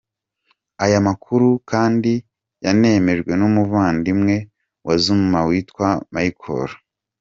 Aya makuru kandi yanemejwe n’umuvandimwe wa Zuma witwa Michael.